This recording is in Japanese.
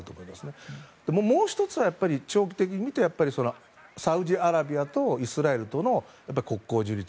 もう１つは、長期的に見てサウジアラビアとイスラエルとの国交樹立。